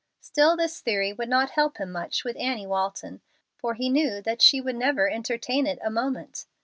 Still this theory would not help him much with Annie Walton, for he knew that she would never entertain it a moment.